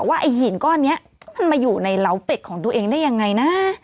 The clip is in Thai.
ไอ้หินก้อนนี้มันมาอยู่ในเหล้าเป็ดของตัวเองได้ยังไงนะ